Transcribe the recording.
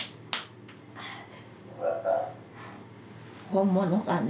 本物かね？